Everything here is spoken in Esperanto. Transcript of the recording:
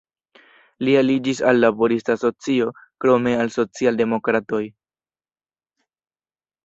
Li aliĝis al laborista asocio, krome al socialdemokratoj.